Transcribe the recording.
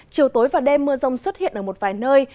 chiều tối và đêm mưa rông xuất hiện ở một vài nơi